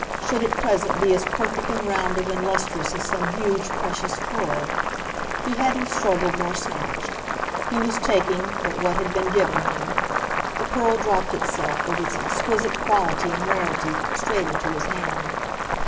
should at present be as perfect and rounded and lustrous as some huge precious pearl. He hadn't struggled nor snatched; he was taking but what had been given him; the pearl dropped itself, with its exquisite quality and rarity, straight into his hand.